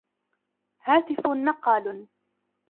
هاتف نقال